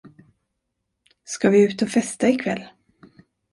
Ska vi ut och festa ikväll?